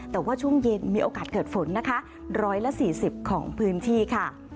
แต่ว่าช่วงเย็นมีโอกาสเกิดฝนนะคะ๑๔๐ของพื้นที่ค่ะ